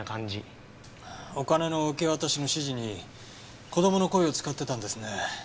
お金の受け渡しの指示に子供の声を使ってたんですね。